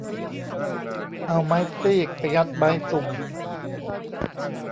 เอาไม้ซีกไปงัดไม้ซุง